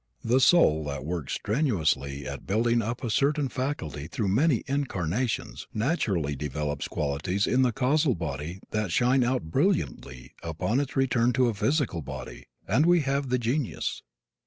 The soul that works strenuously at building up a certain faculty through many incarnations naturally develops qualities in the causal body that shine out brilliantly upon its return to a physical body and we have the genius.